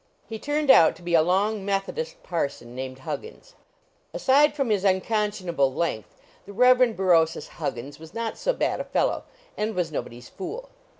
He turned out to be a long Methodist parson, named Huggins. Aside from his unconscionable length, the Rev. Berosus Huggins was not so bad a fellow, and was nobody's fool.